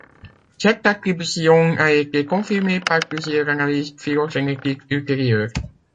Cette attribution a été confirmée par plusieurs analyses phylogénétiques ultérieures.